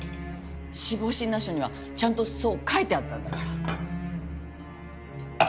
死亡診断書にはちゃんとそう書いてあったんだから。